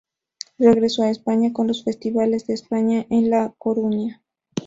Regresó a España, con los "Festivales de España" en La Coruña.